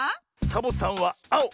サボさんはあお！